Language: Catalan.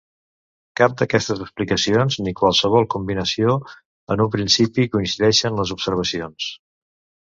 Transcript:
Cap d'aquestes explicacions, ni qualsevol combinació, en un principi coincideixen les observacions.